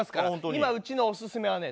今うちのおすすめはね